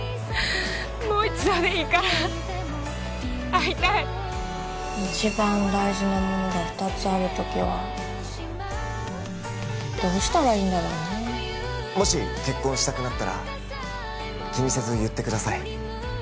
もう一度でいいから会いたい一番大事なものが二つある時はどうしたらいいんだろうねもし結婚したくなったら気にせず言ってください